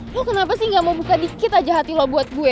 lo kenapa sih gak mau buka dikit aja hati loh buat gue